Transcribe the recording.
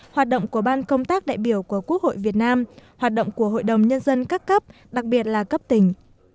hoạt động của ban công tác đại biểu của quốc hội việt nam hoạt động của hội đồng nhân dân các cấp đặc biệt là cấp tỉnh